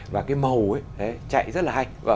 và cái màu ấy chạy rất là hay